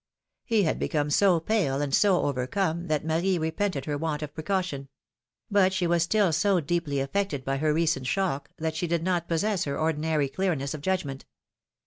He had become so pale and so overcome that Marie re pented her want of precaution ; but she was still so deeply affected by her recent shock, that she did not possess her ordinary clearness of judgment.